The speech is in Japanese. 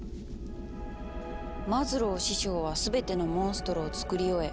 「マズロー師匠は全てのモンストロをつくり終え